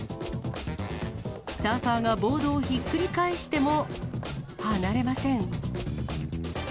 サーファーがボードをひっくり返しても離れません。